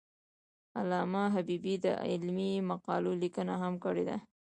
علامه حبیبي د علمي مقالو لیکنه هم کړې ده.